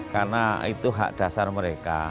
karena itu hak dasar mereka